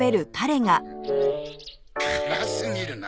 辛すぎるな。